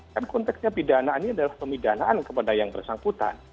kan konteksnya pidana ini adalah pemidanaan kepada yang bersangkutan